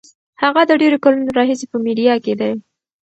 هغه د ډېرو کلونو راهیسې په میډیا کې دی.